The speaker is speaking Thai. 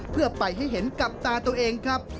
เพื่อไปให้เห็นกับตาตัวเองครับ